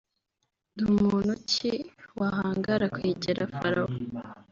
“ndi muntu ki wahangara kwegera Farawo